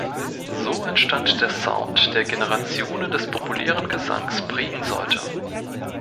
So entstand der Sound, der Generationen des populären Gesangs prägen sollte.